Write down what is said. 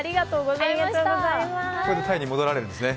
これでタイに戻られるんですね。